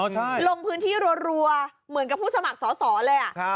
ใช่ลงพื้นที่รัวเหมือนกับผู้สมัครสอสอเลย